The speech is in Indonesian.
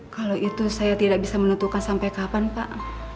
kalau itu saya tidak bisa menentukan sampai kapan pak